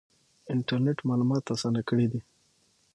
انټرنیټ معلومات اسانه کړي دي